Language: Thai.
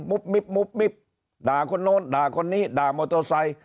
มิบมุบมิบด่าคนโน้นด่าคนนี้ด่ามอเตอร์ไซค์